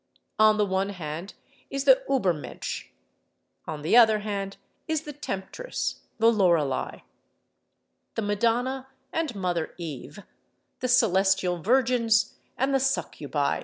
On the one hand is the Übermensch; on the other hand is the temptress, the Lorelei. The Madonna and Mother Eve, the celestial virgins and the succubi!